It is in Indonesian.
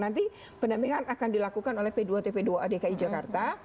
nanti pendampingan akan dilakukan oleh p dua tp dua a dki jakarta